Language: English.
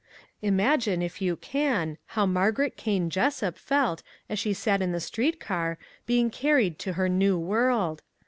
Imagine, if you can, how Margaret Kane Jessup felt as she sat in the street car, being carried to her new world!